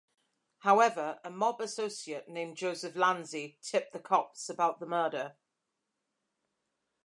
However, a mob associate named Joseph Lanzi tipped the cops about the murder.